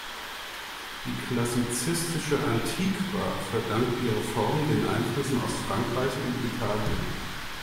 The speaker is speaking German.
Die klassizistische Antiqua verdankt ihre Formen den Einflüssen aus Frankreich und Italien.